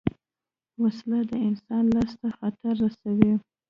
وسله د انسان لاس ته خطر رسوي